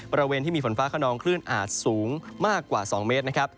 บริเวณที่มีฝนฟ้าขนองคลื่นอาจสูงมากกว่า๒เมตรนะครับ